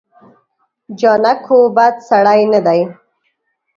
جانکو بد سړی نه دی.